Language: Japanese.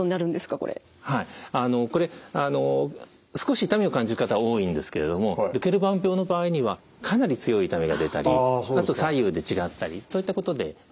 これ少し痛みを感じる方多いんですけれどもドケルバン病の場合にはかなり強い痛みが出たりあと左右で違ったりそういったことで見分ける。